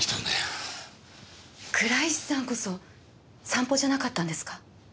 倉石さんこそ散歩じゃなかったんですか？